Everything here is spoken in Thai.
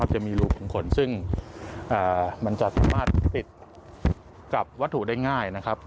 จะมีรูของขนซึ่งมันจะสามารถติดกับวัตถุได้ง่ายนะครับ